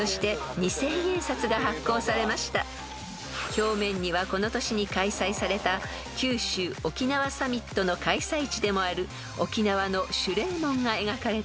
［表面にはこの年に開催された九州・沖縄サミットの開催地でもある沖縄の守礼門が描かれています］